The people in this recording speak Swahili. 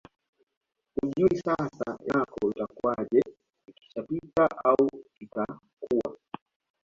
hujui sasa yako itakuwaje ikishapita au itakuwa